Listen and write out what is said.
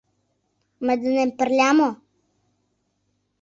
— Мый денем пырля мо?